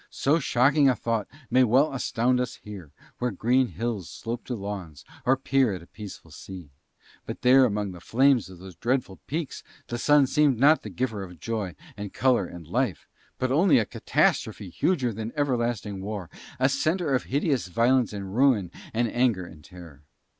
So shocking a thought may well astound us here, where green hills slope to lawns or peer at a peaceful sea; but there among the flames of those dreadful peaks the Sun seemed not the giver of joy and colour and life, but only a catastrophe huger than everlasting war, a centre of hideous violence and ruin and anger and terror.